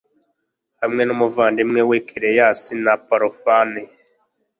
hamwe n'umuvandimwe we kereyasi, na apolofane